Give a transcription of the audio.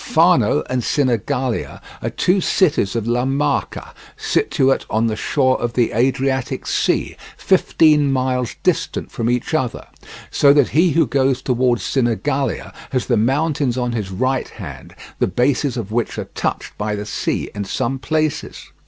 Fano and Sinigalia are two cities of La Marca situated on the shore of the Adriatic Sea, fifteen miles distant from each other, so that he who goes towards Sinigalia has the mountains on his right hand, the bases of which are touched by the sea in some places.